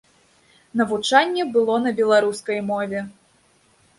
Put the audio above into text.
Навучанне было на беларускай мове.